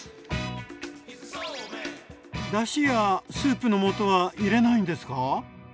だしやスープの素は入れないんですか？